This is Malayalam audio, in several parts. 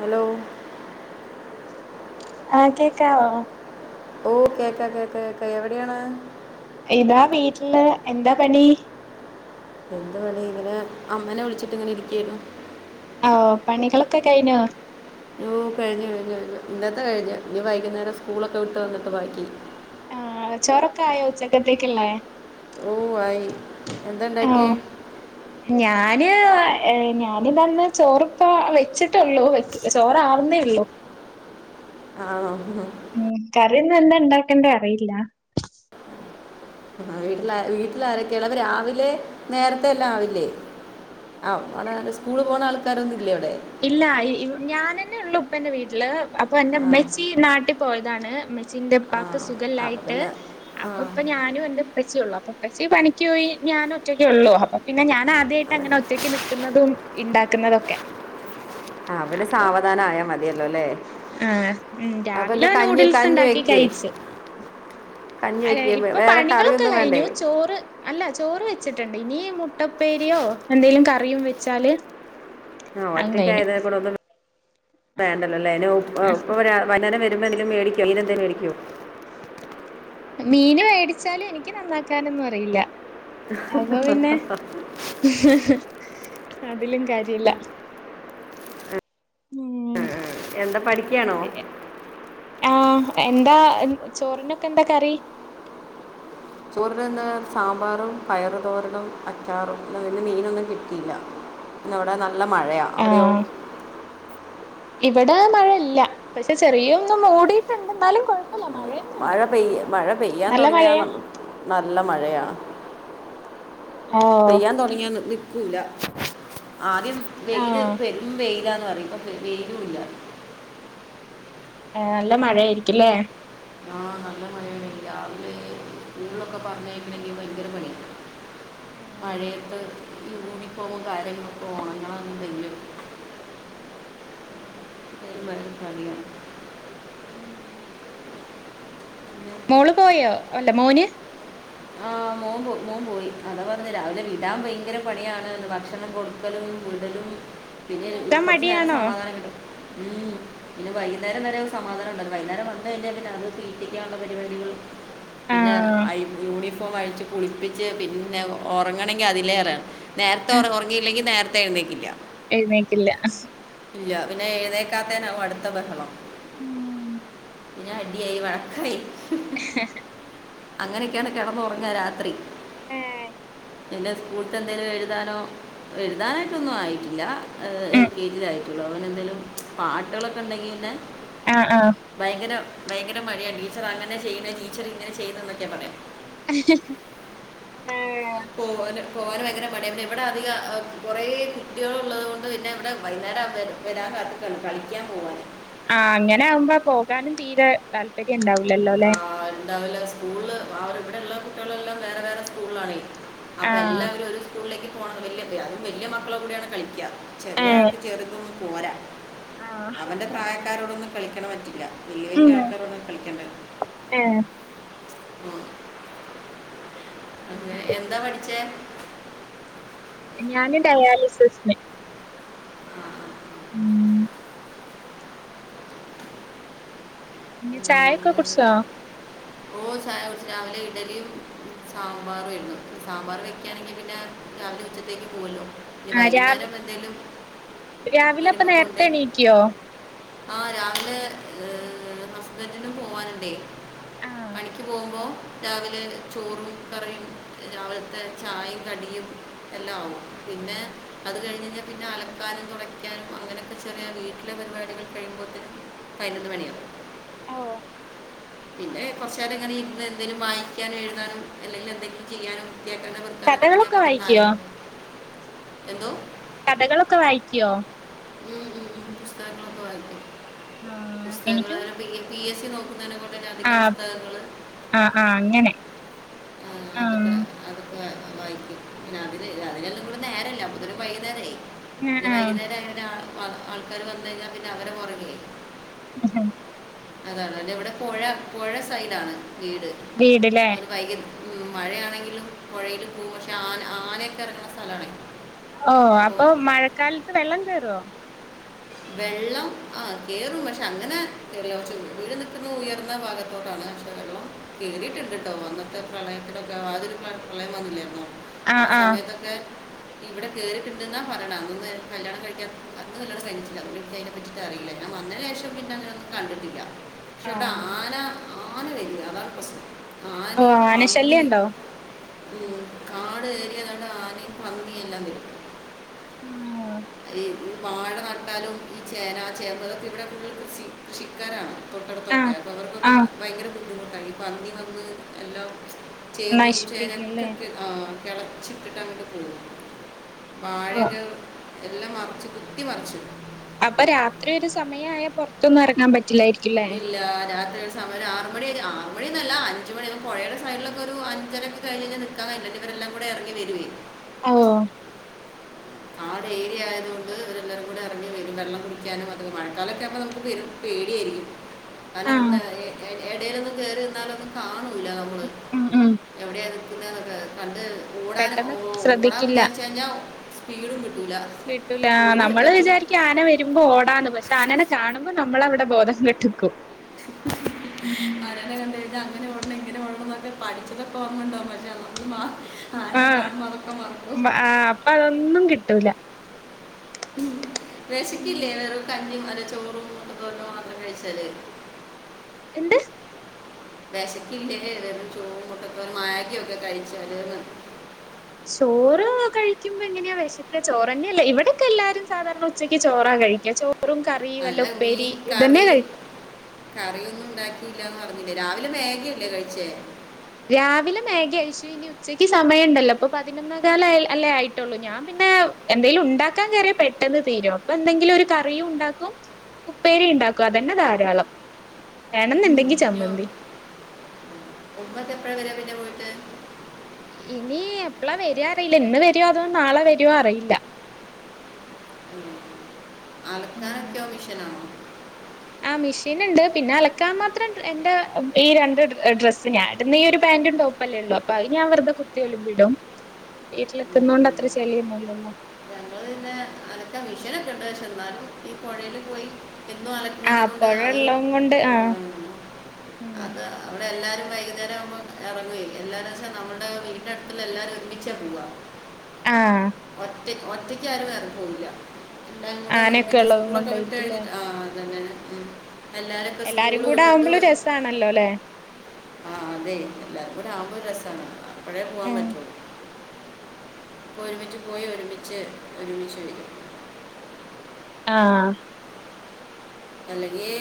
ഹലോ ആ കേക്കാവോ ഓ കേക്കാ കേക്കാ കേക്കാ എവിടെയാണ് ഇതാ വീട്ടില് എന്താ പണി എന്തുപണി ഇങ്ങനേ അമ്മനെ വിളിച്ചിട്ടിങ്ങനെ ഇരിക്കായിരുന്നു. ഓഹ് പണികളൊക്കെ കഴിഞ്ഞോ? ഓഹ് കഴിഞ്ഞ് കഴിഞ്ഞ് കഴിഞ്ഞ് ഇന്നത്തെ കഴിഞ്ഞ് ഇനി വൈകുന്നേരം സ്കൂളൊക്കെ വിട്ട് വന്നിട്ട് ബാക്കി ആഹ് ചോറക്കെ ആയോ ഉച്ചക്കത്തേ ‌ക്കിള്ളേ ഓ ആയി എന്താ ഉണ്ടാക്കിയേ ആഹ് ഞാ ന് എഹ് ഞാന് വന്ന് ചോറിപ്പ വെച്ചിട്ടേള്ളൂ വെക് ചോറാവുന്നേള്ളു. ആണോ റി ഇന്ന് എന്താ ഇണ്ടാക്കണ്ടെ അറിയില്ല ആഹ് വീട്ടിലാ വീട്ടിലാരക്കെയിള്ളെ അപ്പ രാവിലെ നേരത്തെ എല്ലാം ആവില്ലേ [unintelligible] സ്കൂളി പോണ ആൾക്കാരൊന്നു ഇല്ല അയി ഞാനെന്നെ ഉള്ളൂ. ഇപ്പെന്റെ വീട്ടില് അപ്പൊ ആ എന്റുമ്മച്ചി നാട്ടി പോയതാണ് ഉമ്മ് ആ ച്ചിന്റുപ്പാക്ക് അപ്പം സുഖല്ലായിട്ട്. പിന്നെ ആ അപ്പൊ ഇപ്പൊ ഞാനും എന്റെ ഉപ്പച്ചീയൊള്ളു. അപ്പൊ ഉപ്പച്ചി പണിക്ക് പോയി. ഞാൻ ഒറ്റക്കെയുള്ളു അപ്പൊ പിന്നെ ഞാ നാദ്യായിട്ട ഇങ്ങനെ ഒറ്റക്ക് നിക്കുന്നതും. ഇണ്ടാക്കുന്നതൊക്കെ ആ പിന്നെ അപ്പം സാവധാനം ആയാൽ മതിയല്ലോ അല്ലേ ആഹ് മ് അപ്പം രാവിലെ എന്താ കഞ്ഞി കഞ്ഞി ന്യൂഡിൽസുണ്ടാക്കി വെക്കേ കഴ്ച്ചു കഞ്ഞി അല്ല വയ്ക്കുക ഇപ്പൊ വേറെ പണികളൊക്കെ കറിയൊന്നും വേണ്ടേ കഴിഞ്ഞു ചോറ് അല്ല ചോറ് വെച്ചി ണ്ട് ഇനി മുട്ടപ്പേരിയോ എന്തേലും കറിയും വെച്ചാല് ആഹ് അതും കഴിഞ്ഞു ഒറ്റയ്ക്കായതാ ക്കൂടെയൊന്നു വേണ്ടല്ലല്ല ആ, [unintelligible] വൈന്നേരം ന്തെങ്കിലും മേടിക്കോ മീനെന്തേ മേടിക്കോ മീന് മേടിച്ചാലും എനിക്ക് നന്നാക്കാനൊന്നുറിയില്ല അപ്പൊ പിന്നെ അതിലും കാര്യല്ല ഉം എന്താ പഠിക്കാണോ ആഹ് എന്താ ചോറിനൊക്കെ എന്താ കറി? ചോറിനെന്തോന്നാന്ന് സാമ്പാറും പയറു തോരനും അച്ചാറും പിന്നെ മീനൊന്നും കിട്ടിയില്ല. പിന്നെവിടെ ന നല്ല മഴയാ. അവിടെയോ? ഇവടെ മഴയില്ല. പക്ഷെ ചെറിയൊന്നും മൂടിട്ടുണ്ടെന്നാലു കൊഴ മഴ പെയ്യ മഴ പെയ്യാൻ നല്ല തൊടങ്ങിയാ മഴയാ നമ്മ ന്ന നല്ല മഴയാണ്. ഓ പെയ്യാ തൊടങ്ങിയോന്ന് നി കൂല ആദ്യം വെയില് ആഹ് പെരും വെയില് ല്ലാന്ന് പറയും. ഇപ്പ വെയിലുല്ല. ആ നല്ല മഴയാരിക്കില്ലേ. ആഹ്. നല്ല മഴയണെ. രാവിലെ സ്കൂളിലൊക്കെ പറഞ്ഞയക്കണെങ്കിൽ ഭയങ്കര പണിയാണ്. ഏഹ് മഴയത്ത് ഈ യൂണിഫോവുക്കാര്യങ്ങളൊക്കെ ഒണങ്ങണമെന്നില്ല. ആഹ് ശെരി മാം മതിയോ ഉം മോള് പോയോ? അല്ല മോന്. ആഹ് മോൻ പോ മോൻ പോയി. അത പറഞ്ഞ രാവിലെ വിടാൻ ഭയങ്കര പണിയാണേന്ന്. ഭക്ഷണം കൊടുക്കലും വിടലും. പിന്നെ പോകാൻ കൊറച്ചു നേരം മടിയാണോ സമാധാനം കിട്ടും. ഉം പിന്നെ വൈകുന്നേരം വരെയൊര് സമാധാനയൊ ണ്ടാരെന്ന്. വൈകുന്നേരം വന്ന് കഴിഞ്ഞാപ്പിന്നെ അത് തീറ്റക്കാനൊള്ള പരിപാടികൾ. പിന്നെ ആഹ് ഐ യൂണിഫോം അഴിച്ച് കുളിപ്പിച്ച് പിന്നെ ഉറങ്ങണമെങ്കിൽ അതിലേറൊണ് നേരത്തെ ഉറ ഉറങ്ങിയില്ലങ്കിൽ നേരത്തെ തഴുന്നേക്കില്ല എഴുന്നേക്കില്ല ഇല്ല പിന്നെ ഏതേക്കാത്തേ അടുത്ത ബഹളം ഉം പിന്നെ അടിയായി വടക്കായി [inaudible] അങ്ങനെയൊക്കെയാണ് കിടന്നുറങ്ങ രാത്രി ഉഏ എൻ്റെ സ്കൂളത്ത് എന്തേങ്കിലും എഴുതാനോ എഴുതാനായിട്ടൊന്നും ആയിട്ടില്ല എൽ ഉം കെ ജില ആയിട്ടുള്ളൂ അവന എന്തേലും പാട്ടുകളൊക്കെ ഉണ്ടെങ്കിൽ പിന്നെ ആഹ് ഭയങ്കര ഭയങ്കര മടിയാണ് ടീച്ചർ അങ്ങനെ ചെയ്യുന്ന ടച്ചർ ഇങ്ങനെ ചെയ്യത എന്നൊക്കെ പറയാം [inaudible] [inaudible] പോകാൻ ഭയങ്കര മണിയ പി ഇവിടെ അധിക് കുറെ കുട്ടികൾള്ളത് കൊൊണ്ട് പിന്നെ ഇവിടെ വൈകേരം വരാൻ കാത്തിക്കാണ് കളിക്കാൻ പോവാനാന് ആ അങ്ങനെ ആവുമ്പോ പോകാനും തീരെ താല്പര്യം ഉണ്ടാവൂ ല്ലോ അല്ലേ ഉണ്ടാവില്ല സ്കൂളിൽ അവർവിടെ ഉള്ള കുട്ടികളെല്ലാം വേറെ വേറെ സ്കൂളിലാണെ അപ്പൊ ആഹ് എല്ലാവരും ഒരു സ്കൂളിലേക്ക് പോണുന്നത് വലിയ അതും വലിയ മക്കളെൂടാണ് കളിക്കാറ് ഏഹ് ചെറിയായിട്ട് ചെറുതും മര ആഹ് അവന്റെ പ്രായ ആക്കാരോടൊന്നും കളിക്കാൻ പറ്റില്ല വലിയ വലിയ ആൾക്കാരണ കളിക്കേണ്ട ഏ ഉം അ എന്താ പഠിച്ചേ ഞാന് ഡയാലിസിസിന് ആഹ ഉഏ പി പിന്നെ ചായക്ക അങ്ങനെ കുടിച്ചോ ഓ രാവിലെ ഇഡലിയും സാമ്പാറ ആരുന്നു സാമ്പാർ വെക്കയാണെങ്കി പിന്നെ രാവിലെ ഉച്ചത്തേക്ക് പോവല്ലോ ആ രാവ രാവിലെ അപ്പൊ വരുമ്പോൾ നേരത്തെ കൊണ്ട് എണീക്കോ ആ രാവിലെ ഹസ്ബൻ്റിന് പോവാനുണ്ടെ ആഹ് പണിക്ക് പോവുമ്പോ രാവിലെ ചോറും കറിയും രാവിലത്തെ ചായയും കടിയും എല്ലാം ആകും പിന്നെ അത് കഴിഞ്ഞ് കഴിഞ്ഞാൽ പിന്നെ അലക്കാനും തുടയ്ക്കാനും അങ്ങനെയൊക്കെ ചെറിയ വീട്ടിലെ പരിപാടികൾ കഴിയുമ്പോത്തിനും പതിനൊന്ന് മണിയാകും ഓഹ് പിന്നെ കുറച്ച്നേരം ഇങ്ങനെ ഇരുന്ന് എന്തെങ്കിലും വായിക്കാനും എഴുതാനും അല്ലെങ്കിൽ എന്തെങ്കിലും ചെയ്യാനും കഥകളൊക്കെ വായിക്കോ [unintelligible] എന്തോ? കഥകളൊക്കെ വായിക്കുമോ [unintelligible] ആഹ എനിക്കും പുസ്തകങ്ങൾ പി [unintelligible] [inaudible] ആഹ പുസ്തകങ്ങൾ ആ ആ അങ്ങനെ ആ അതൊക്കെ ആഹ് അത അതൊക്കെ വായിക്കും. പിന്നെ അതിന് അതിനെല്ലാംകൂടെ നേരമില്ല അപ്പോഴേക്കും വൈകുനേരമായി. പിന്നെ ആഹ് വൈകുന്നേരം അങ്ങനെ ഒരു ആറ ആൾക്കാര് വന്ന കഴിഞ്ഞാൽ പിന്നെ അവരെ പുറകേ ങ്ഹ്. അതെ അതെ അതെ ഇവിടെ പുഴ പുഴ സൈഡാണ് വീട് വീട്ല്ലേ ഒരു വൈകി മഴയാണെങ്കിലും പുഴയിലും പോകും പക്ഷെ ആന ആണയൊക്കെ ഇറങ്ങുന്ന സ്ഥലാണേ. ഓ അപ്പൊ മഴക്കാലത്ത് വെള്ളം കയറുവോ. വെള്ളം ആ കേറും പക്ഷെ അങ്ങനെ കേറില്ല പക്ഷെ വീട് നിക്കുന്നത് ഉയർന്ന ഭാഗത്തോട്ടാണ് പക്ഷെ വെള്ളം കേറിയിട്ടുണ്ട് ട്ടോ അന്നത്തെ പ്രളയത്തിലൊക്കെ [unintelligible] പ്രളയം വന്നില്ലായിരുന്നോ. ആ ആഹ് ആഹ് സമയത്തൊക്കെ ഇവിടെ കേറീട്ടുണ്ടെന്ന പറയണേ അന്നൊന്നും കല്യാണം കഴിക്കാൻ അന്ന് കല്യാണം കഴി ഇല്ല എനിക്ക് അതിനെ പറ്റീട്ട് അറിയില്ല ഞാൻ വന്നതിന് ശേഷം പിന്നെ അങ്ങനൊന്നും കണ്ടിട്ടില്ല. പക്ഷേ ഇവിടെ ആഹ് ആന ആന വരും അതാണ് പ്രശ്നം ഓഹ് ആനയും പന്നിയും ആനശല്യണ്ടോ ഓ, കാട് ഏരിയയിലാണ് ആനയും പന്നിയുമെല്ലാം വരും. ആഹ് [unintelligible] [inaudible] വാഴ ന കാലും ഈ ചേന, ചേമ്പ് ഇവിടെ ഫുൾ കൃഷി കൃഷിക്കാരാണ്. തൊട്ടടുത്തൊക്കെ ആഹ് അപ്പോൾ അവർക്കൊക്കെ ആഹ് ഭയങ്കര [unintelligible] പന്നി വന്ന് എല്ലാം ചേമ്പ് നശിപ്പിക്കല്ലേ ചേനക്കൊക്കെ ആഹ് കിളച്ചിട്ടിട്ട് അങ്ങോട്ട് പോവും വാഴയൊക്കെ എല്ലാം മറിച്ചു കുത്തി മറിച്ചു അപ്പൊ രാത്രി ഒരു സമയ ആയാ പുറത്തൊന്നും ഇറങ്ങാൻ പറ്റില്ല റ്റില്ലാരിക്കും ലെ അ സയം ആറ് മണി ആറ മണിന്നല്ല അഞ്ച മണി പുഴയുടെ സൈഡിലൊക്കെ ഒരു അഞ്ചരക്ക കഴിഞ്ഴിാൽക്കാൻല്ല ഇവരെല്ലാം കൂ ഇറങ്ങി വരുവേ ഓ ആ ഒരു ഏരിയ ആയതുകൊണ്ട് അവല്ലരും കൂടി ഇറിഞ് വരും വെള്ളം കുടിക്കാനും അത മഴക്കാലൊക്കെകുമ്പോ നമുക്ക് വരും പേടിയായിരിക്കും അനന്ത എടയിലൊന്നന്ന് കയറിരന്നാലൊന്ന് കാണും ഉം ഉം എവിടെ ഇ കണ്ട് ഓടാ ഓ പെട്ടെന്ന് ഓടാ ശ്രദ്ധിക്കില്ല വിചാരിച്ചഞാ വീഴും കിട്ടൂല നമ്മള് വിചാരിക്ക ആന വരുമ്പോ ഓടാന്ന് പക്ഷെ ആനനെ കാണുമ്പോ നമ്മളവിടെ ബോധം കെട്ടക്കും അവിടെന്ത കണ്ട ഇ അങ്ങനെ ഓടണം ഇങ്ങനെ ഓടണം എന്നൊക്ക പഠിച്ചതക്കെ ഓന്നുണ്ടാവും പക്ഷേ അ മാ ആനനെ ആഹ കാണുമ്പോൾ അതൊക്കെ മറക്കും അപ്പൊ അതൊന്നും കിട്ട ട്ടല ഉം രശിക്കില്ലേ വെറ കഞ്ഞി നല്ല ചോറുംന്തോന്നോ മാത്രം കഴിച്ചാലേ എന്താ വിശക്കില്ലേ വെറും ചൂ മുട്ടക്ക മായയൊക്കെ കഴിച്ചാല് ചോറോ കഴിക്കുമ്പോ എങ്ങനെയാ വിശക്ക ചോറന്നെയല്ല ഇവിടൊക്കെ എല്ലാരും സാധാരണ ഉച്ചക്ക് ചോറാ കഴിക്കോ അല്ല വീൻ കഴി കറിയും കറിയൊന്നും ഉണ്ടാക്കി ല്ലന്ന് പറഞ്ഞില്ലേ രാവിലെ മാഗില്ലേ കഴിച്ചേ രാവിലെ മേഘ അഴച്ചു ഇനി ഉച്ചക്ക് സമയം ഉണ്ടല്ലോ അപ്പൊ പതിനൊന്ന കാല അല്ലേ ആയിട്ടുള്ളൂ ഞാൻ പിന്നെ എന്തേങ്കലും ഉണ്ടാക്കാൻ കയറിയ പെട്ടെന്ന് തീരോ അപ്പൊ എന്തെങ്കിലും ഒരു കറിയും ഉണ്ടാക്കും ഉപ്പേരി ഉണ്ടാക്കും അതന്നെ ധാരാളം വണെന്നുണ്ടെങ്കി ഇഞ്ഞോ, ചമ്മന്തി എവിടെ വരാ പിന്നെ പോയിട്ട് ഇനി എപ്പളാ വരു അറിയില്ല ഇന്ന് വരുോ അതോ നാളെ വരു അറിയില്ല ഉം ഉം ആലക്കാരൊക്കെ ഓമിഷനാണോ ആ മെഷീൻ ഉണ്ട് പിന്നെ അലക്കാൻ മാത്രം എറെ ഈ രണ്ട് ഡ്രസ്സ് ഞായിന്ന് ഈ ഒരു പാന്റും ടോപ്പല്ലേ ഉള്ളു അപ്പൊ ഞാൻ വെറുതെ കുത്തി വലും വിടും വീട്ടിൽെക്കുന്നുണ്ട് അത്ര ചെലിയുന്നു ല്ല ഞങ്ങള്ൾ പിന്നെ അനക്ക മിഷൻൊക്കെ ഇണ്ട് ചമാും ഈ പുഴൽ പോയി എന്തും ആ അലന കൊണ്ട് അതൊരു പൊഴള്ളതും കൊണ്ട് ആ ഉം അത് എല്ലാരും വൈകുന്നേരകുമ്പോ ഇറങ്ങുവേ എന്താന്നുവെച്ച നമ്മുടെ വീടിന്റെ അടുത്തുള്ള എല്ലാരും ഒരുമിച്ച പോകുവാ ആഹ റ്റ ഒറ്റക്ക ആരുും വേറെ പോയില്ല എ കൂടെ ആനയൊക്കെ ഒരുമിച്ച് ഉള്ളത് സ്കൂളൊക്കെ വിട്ട് കൊണ്ടായിരിക്കുംല്ലേ കഴിഞ്ഞിട്ട ആ അതതെ ഉം എല്ലാരും കൂടെ ആവുമ്പോൾും രസമാണല്ലോ അല്ലെ ആഹ് അതെ എല്ലാരും കൂടെ ആ്പോ രസമാണ് അഴേ പോവാൻ ഉം പറ്റുവ അപ്പ ഒരുമിച്ച് പോയി ഒരുമിച്ച് ഒരുമിച്ച വരും ആഹ അല്ലെങ്കിൽ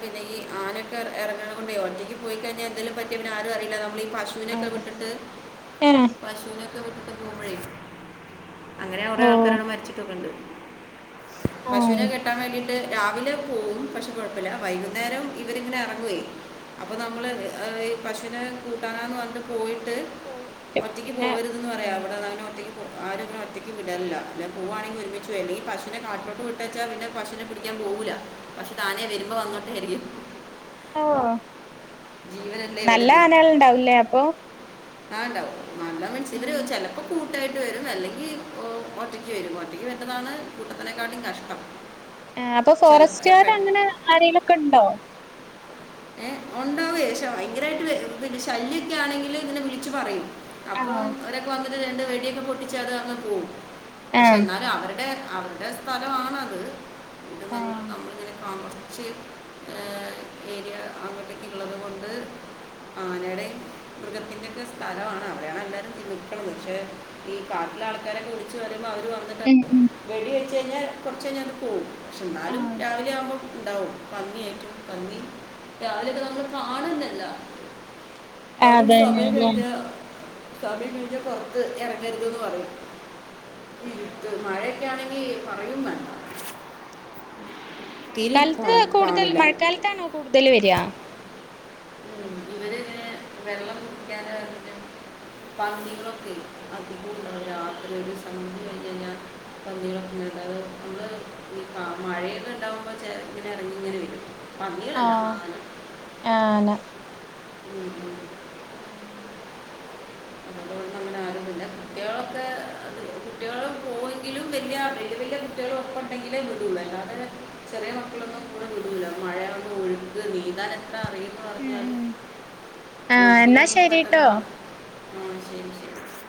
പിന്നെ ഈ ആനൊക്കെ അല്ലെങ്കി പിന്നെ ഈആന ഇറങ്ങണകൊണ്ടേ ഒറ്റക്ക് പോയിക്കഴിഞ്ഞാൽ എന്തേലും പറ്റിയ പിന്നെ ആരും അറിയില്ല നമ്മള പശുവിനൊക്കെ ആഹ് വിട്ടിട്ട് ഏഹ് പശുവിനൊക്കെ അങ്ങനെ കുറെേ ഓഹ് ആൾക്കാരോട് മരിച്ചിട്ടൊക്കെണ്ട് പശുവിനെ ആഹ് കെട്ടാൻ വേണ്ടി രാവിലെ പോവുംും പക്ഷെ കുഴപ്പമില്ല വൈകുന്നേരം ഇവരിങ്ങനെ ഇറങ്ങുവേ അപ്പോൾ നമ്മൾ ഈ പശുവിനെ കൂട്ടാനാെന്ന് പറന്നിട്ട് പോയി് പോയിട്ട് ഒറ്റക്ക് പിന്നെ പോകരുതെന്ന് പറയാം ആഹ് അവിടെ അങ്ങനെ ഒറ്റക്ക് ആരും ഇങ്ങനെ ഒറ്റക്ക് വിടലില്ല അ പോവാണെങ്കി ഒരുമിച്ച് പോവേനേ ഈ പശൂനെ കാട്ടിലോട്ട് വിട്ടച്ചാ പിന്നെ പശുനേ പിടിക്കാൻ പോകൂലാ പശു താനേ വരുമ്പോ വന്നോട്ടേ വിചാരിക്കും ആഹ് നല്ല ആനകള്ണ്ടാവില്ലേ അപ്പൊ ആഹ് ഉണ്ടാവും നല്ല മനുഷ്യര് ഇവര് ഉം ചിലപ്പോ കൂട്ട കൂട്ടായിട്ട് വരും അല്ലെങ്കിൽ ഒറ്റക്ക് വരും ഒറ്റയ്ക്ക് വരുന്നതാണ് കൂട്ടത്തിനേക്കാളും കഷ്ട്ടം ആ അപ്പൊ ഫോറസ്റ്റുകാർ അങ്ങനെ ആരിലൊക്കെ ഇണ്ടോ ഏ ഉണ്ടാവും പക്ഷേ ഭയങ്കരമായിട്ട് പി ശല്യൊ ഒക്കെ ആണെങ്കിൽ ഇങ്ങനെ വിളിച്ചു പറയും അപ്പൊ ആഹ് അവരൊക്കെ വന്ന് രണ്ട് വെടിയൊക്കെ പൊട്ടിച്ച അത് അങ്ങ് പോവും പക്ഷെ ആഹ് എന്നാലും അവരുടെ അവരുടെ സ്ഥലമാണത് പി നമ്മൾ ആഹ് നമ്മളിങ്ങനെ കാണും [unintelligible] ഏഹ് ഏരിയ അങ്ങോട്ടൊക്കെ ഉള്ളത് കൊണ്ട് ആനയുടെയും മൃഗത്തിൻ്റെൊക്കെ സ്ഥലമാണ് അവിടെയാണ് എല്ലാവരും നിൽക്കുന്നത് പക്ഷേ ഈ കാട്ടിലെ ആൾക്കാരൊക്കെ വിളച്ച് വരു അവര് വന്നിട്ട് ഉം ഉം വെടി വെ കയ്ഞാൽ കുറച്ച്കഴിഞ്ഞു പോകും പക്ഷെ എന്നാലും ആഹ് രാവിലെ ആവുമ്പോ ഉണ്ടാവും പന്നി ആയിട്ടും പന്നി രാവിലെ ഒക്കെ നമ്മള് കാണും ന്നല്ല അവരൊരു സമയം അതന്നെല്ലേ കഴിഞാ സമയം കഴിഞ്ഞാ പുറത്ത് എറങ്ങരുത് എന്ന് പറയും ഇരുട്ട് ഓഹ് മഴയൊക്കെയാണെ ഈ പറയും മാണ്ട മഴക്കാലത്ത് കൂടുതൽ മഴക്കാലത്താണോ കൂടു തല് വര ഇവരെ ഇങ്ങനെ വെള്ളം കുടിക്കാൻ പതിി. കളൊക്കെ അധ രാത്രി ഒരു സന്ധി വഴ പികളൊക്കെത് നമ്മള് ഈ മഴയൊക്കെ ഉണ്ടാവുമ്പോ ഇങ്ങനെ ഇറങ്ങിങ്ങനെ വരും പന്നികളല്ല ആഹ് മാന ആനാ ഉം ഉ ആഹ് [inaudible] ഉം ഉം ആഹ് എന്നാ ഒഴുക്കിലൊന്നും പെട്ടെന്ന് ശരിട്ടോ ന ആഹ് ശരി ശരി